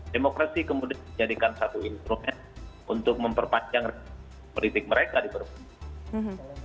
demokrasi kemudian dijadikan satu instrumen untuk memperpanjang politik mereka di perpu